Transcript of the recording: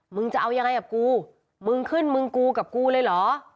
มึงจะเอายังไงกับกูมึงขึ้นมึงกูกับกูเลยเหรอ